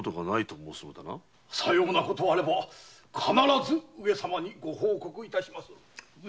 さようなことあらば必ず上様にご報告致しまする。